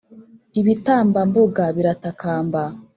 ibitambambuga biratakamba